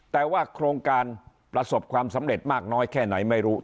แต่ว่าโครงการประสบความสำเร็จมากน้อยแค่ไหนไม่รู้